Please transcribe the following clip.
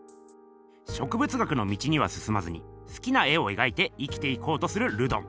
植物学の道にはすすまずに好きな絵を描いて生きていこうとするルドン。